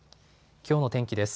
きょうの天気です。